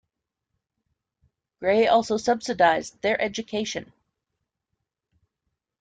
Gray also subsidized their education.